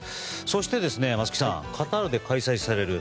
そして、松木さんカタールで開催されるＦＩＦＡ